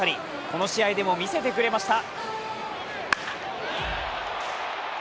この試合でも見せてくれました。